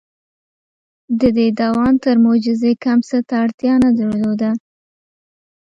• د دې دوام تر معجزې کم څه ته اړتیا نه درلوده.